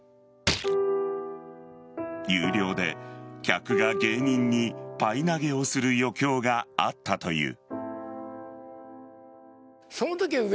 有料で客が芸人にパイ投げをする余興があったという。